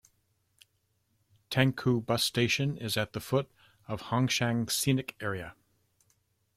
Tangkou Bus Station is at the foot of Huangshan Scenic Area.